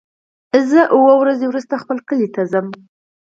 زه اووه ورځې وروسته خپل کلی ته ځم.